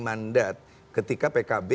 mandat ketika pkb